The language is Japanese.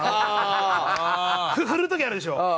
振る時あるでしょ？